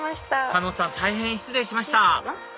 狩野さん大変失礼しました